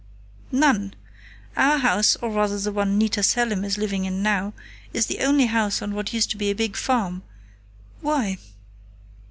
None! Our house, or rather the one Nita Selim is living in now, is the only house on what used to be a big farm.... Why?"